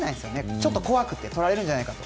ちょっと怖くてとられるんじゃないかと。